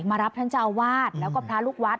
มารับท่านเจ้าอาวาสแล้วก็พระลูกวัด